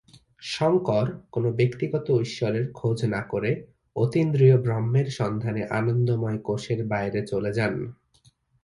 শঙ্কর, কোনো ব্যক্তিগত ঈশ্বরের খোঁজ না করে, অতীন্দ্রিয় ব্রহ্মের সন্ধানে আনন্দময় কোষের বাইরে চলে যান।